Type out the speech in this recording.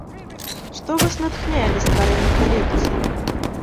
Што вас натхняе на стварэнне калекцыі?